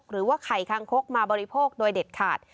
หรือว่าไข่คางคกมาบริโภคโดยเด็ดขาด